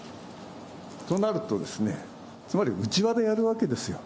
となると、つまり内輪でやるわけですよ。